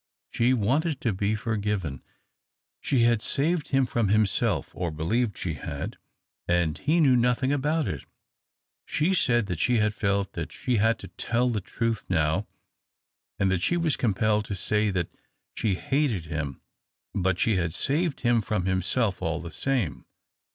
She wanted to be forgiven. She had saved him from himself, or believed she had, and he knew nothing about it. She said that she felt that she had to tell the truth now, and that she was compelled to say that she hated him, but she had saved him from himself all the same.